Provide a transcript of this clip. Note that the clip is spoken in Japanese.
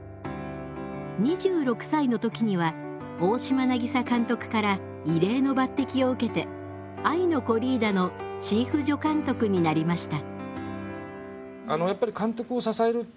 ２６歳の時には大島渚監督から異例の抜てきを受けて「愛のコリーダ」のチーフ助監督になりました。